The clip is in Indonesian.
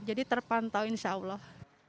jadi terpantau insya allah